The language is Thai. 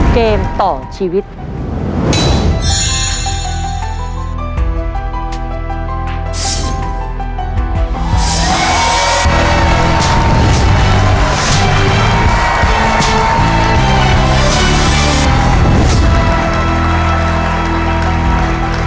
เกมต่อชีวิต